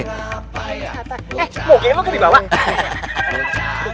eh mau ke emang ke di bawah